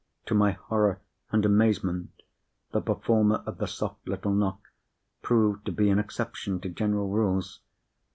To my horror and amazement, the performer of the soft little knock proved to be an exception to general rules.